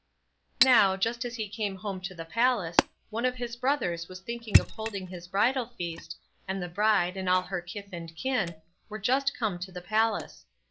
Now, just as he came home to the palace, one of his brothers was thinking of holding his bridal feast, and the bride, and all her kith and kin, were just come to the palace.